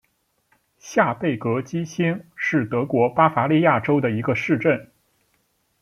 下贝格基兴是德国巴伐利亚州的一个市镇。